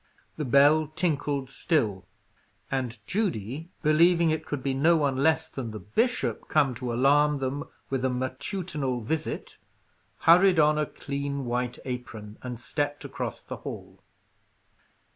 The bell tinkled still, and Judy, believing it could be no one less than the bishop come to alarm them with a matutinal visit, hurried on a clean white apron, and stepped across the hall.